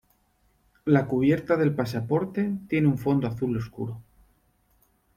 La cubierta del pasaporte tiene un fondo azul oscuro.